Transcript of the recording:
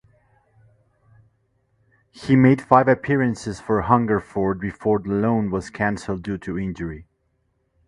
He made five appearances for Hungerford before the loan was cancelled due to injury.